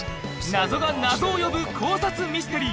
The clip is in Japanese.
謎が謎を呼ぶ考察ミステリー